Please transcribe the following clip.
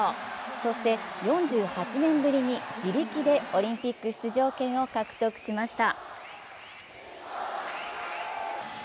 そして４８年ぶりに自力でオリンピック出場権を獲得しました。